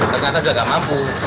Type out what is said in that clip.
ternyata sudah tidak mampu